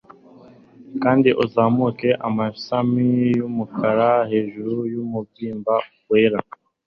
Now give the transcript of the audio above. kandi uzamuke amashami yumukara hejuru yumubyimba wera